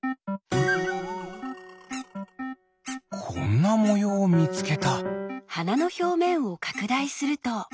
こんなもようみつけた。